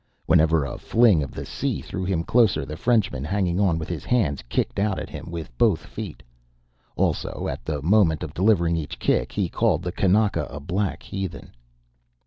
Whenever a fling of the sea threw him closer, the Frenchman, hanging on with his hands, kicked out at him with both feet. Also, at the moment of delivering each kick, he called the kanaka a black heathen.